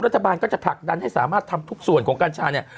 รัฐบาลก็จะผลักดันให้สามารถทำทุกส่วนของกัญชาเนี่ย